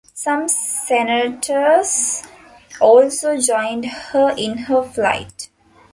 Some senators also joined her in her flight.